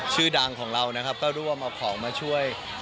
ชื่อดังของเรานะครับก็ร่วมเอาของมาช่วย